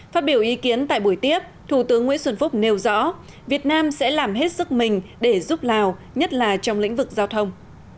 phát biểu ý kiến tại buổi tiếp thủ tướng nguyễn xuân phúc nêu rõ việt nam sẽ làm hết sức mình để giúp lào nhất là trong lĩnh vực giao thông